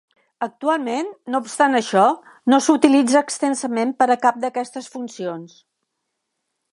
Actualment, no obstant això, no s'utilitza extensament per a cap d'aquestes funcions.